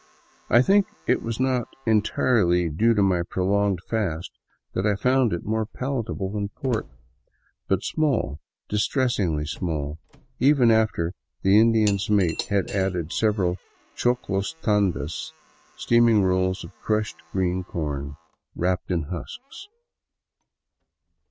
I think it was not entirely due to my prolonged fast that I found it more palatable than pork ; but small, distressingly small, even after the Indian's mate had added several choclo tandas, steaming rolls of crushed green corn wrapped in husks.